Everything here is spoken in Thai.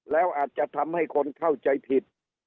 แล้วอาจจะทำให้คนเข้าใจผิด